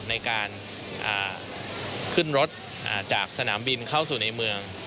ในการขึ้นรถจากสนามบินเข้าสู่ในเมือง